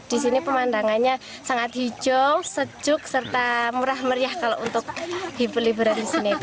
di sini pemandangannya sangat hijau sejuk serta murah meriah kalau untuk diperlibur dari sini